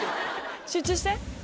集中して。